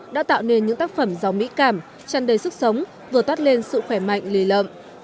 đã tạo nên những tác phẩm giàu mỹ cảm chăn đầy sức sống vừa toát lên sự khỏe mạnh lì lợm